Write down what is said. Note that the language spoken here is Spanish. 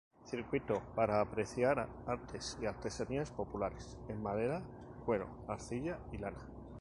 Circuito para apreciar "artes y artesanías populares" en madera, cuero, arcilla y lana.